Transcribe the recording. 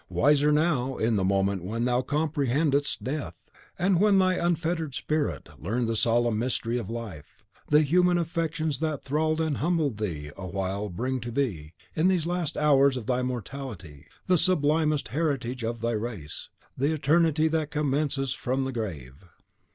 Wiser now, in the moment when thou comprehendest Death, than when thy unfettered spirit learned the solemn mystery of Life; the human affections that thralled and humbled thee awhile bring to thee, in these last hours of thy mortality, the sublimest heritage of thy race, the eternity that commences from the grave."